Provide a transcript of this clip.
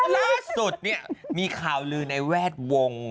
ล่าสุดเนี่ยมีข่าวลือในแวดวง